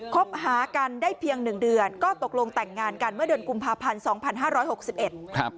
คบหากันได้เพียง๑เดือนก็ตกลงแต่งงานกันเมื่อเดือนกุมภาพันธ์๒๕๖๑